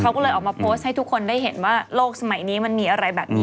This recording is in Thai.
เขาก็เลยออกมาโพสต์ให้ทุกคนได้เห็นว่าโลกสมัยนี้มันมีอะไรแบบนี้